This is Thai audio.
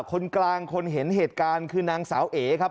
คนกลางคนเห็นเหตุการณ์คือนางสาวเอ๋ครับ